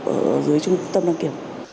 ở dưới trung tâm đăng kiểm